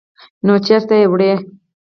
_نو چېرته يې وړې؟